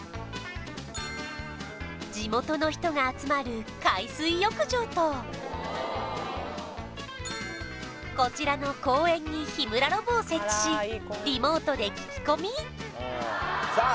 地元の人が集まる海水浴場とこちらの公園に日村ロボを設置しリモートで聞き込みさあ